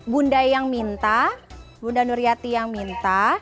bunda yang minta bunda nuriati yang minta